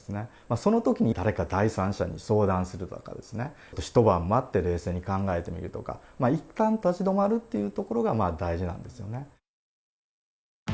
そのときに誰か第三者に相談するとかですね、一晩待って冷静に考えてみるとか、いったん立ち止まるっていうところが大事なんですよね。